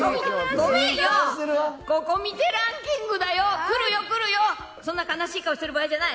ごめんよ、ココ見てランキングだよ、くるよ、くるよ、そんな悲しい顔してる場合じゃない。